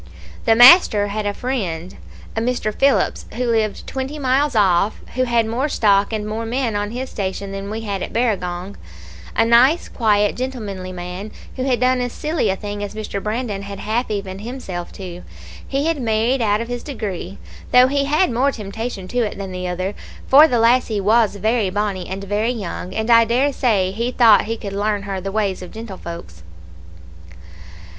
"The master had a friend, a Mr. Phillips, who lived twenty miles off, who had more stock and more men on his station than we had at Barragong; a nice quiet gentlemanly man, who had done as silly a thing as Mr. Brandon had half evened himself to. He had married out of his degree, though he had more temptation to it than the other, for the lassie was very bonnie, and very young, and I dare say he thought he could learn her the ways of gentlefolks.